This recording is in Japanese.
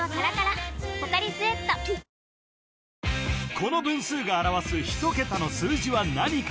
この分数が表す一桁の数字は何か？